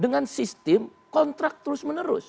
dengan sistem kontrak terus menerus